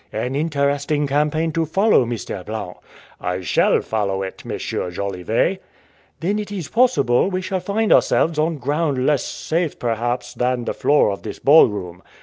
"An interesting campaign to follow, Mr. Blount." "I shall follow it, M. Jolivet!" "Then it is possible that we shall find ourselves on ground less safe, perhaps, than the floor of this ball room."